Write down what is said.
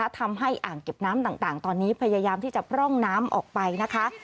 อ่างเก็บน้ำต่างตอนนี้พยายามที่จะพร่องน้ำออกไปนะคะ